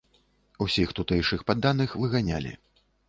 Усіх тутэйшых падданых выганялі.